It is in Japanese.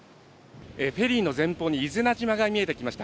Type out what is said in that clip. フェリーの前方に伊是名島が見えてきました。